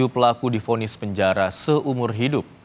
tujuh pelaku difonis penjara seumur hidup